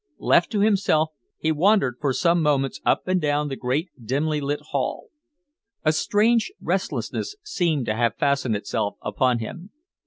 Left to himself, he wandered for some moments up and down the great, dimly lit hall. A strange restlessness seemed to have fastened itself upon him.